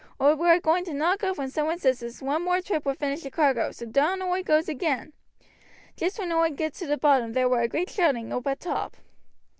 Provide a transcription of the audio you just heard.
Oi war a going to knock off when some one says as one more trip would finish the cargo, so down oi goes again: Just when oi gets to t' bottom there war a great shouting oop at top.